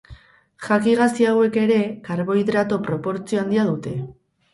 Jaki gazi hauek ere karbohidrato proportzio handia dute.